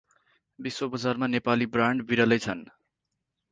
विश्वबजारमा Nepali brand बिरलै छन् ।